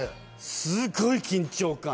すごい緊張感。